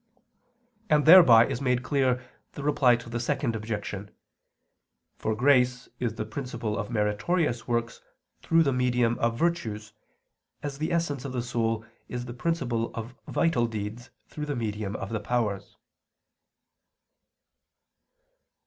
And thereby is made clear the Reply to the Second Objection. For grace is the principle of meritorious works through the medium of virtues, as the essence of the soul is the principal of vital deeds through the medium of the powers.